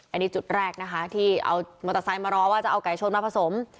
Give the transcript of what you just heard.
อันนี้จุดแรกนะคะที่เอามอเตอร์ไซค์มารอว่าจะเอาไก่ชนมาผสม